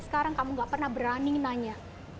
sekarang kamu gak pernah berani nanya